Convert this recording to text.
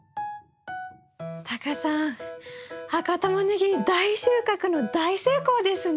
タカさん赤タマネギ大収穫の大成功ですね。